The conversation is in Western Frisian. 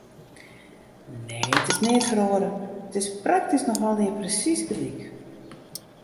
Nee, it is neat feroare, it is praktysk noch allegear presiis gelyk.